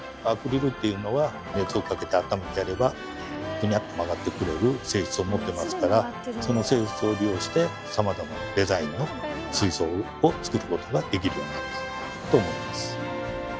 アクリルっていうのは熱をかけてあっためてやればフニャッと曲がってくれる性質を持ってますからその性質を利用してさまざまなデザインの水槽を造ることができるようになったと思います。